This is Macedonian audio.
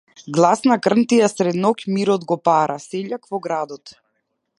Гласна крнтија сред ноќ мирот го пара -сељак во градот.